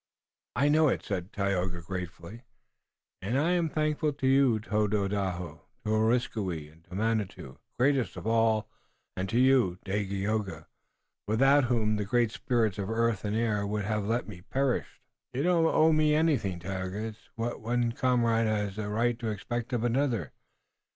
"I know it," said Tayoga gratefully, "and I am thankful to Tododaho, to Areskoui, to Manitou, greatest of all, and to you, Dagaeoga, without whom the great spirits of earth and air would have let me perish." "You don't owe me anything, Tayoga. It's what one comrade has a right to expect of another.